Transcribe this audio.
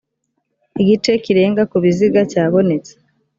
igice kirenga ku biziga cyabonetse